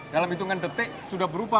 dalam hitungan detik sudah berubah